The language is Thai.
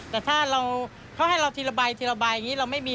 แต่ถ้าเขาให้เราทีละใบทีละใบอย่างนี้เราไม่มี